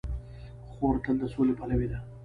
خور تل د سولې پلوي ده.